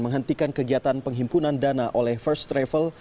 menghentikan kegiatan penghimpunan dana oleh first travel